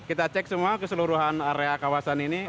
kita cek semua keseluruhan area kawasan ini